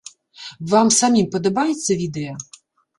Вам самім падабаецца відэа?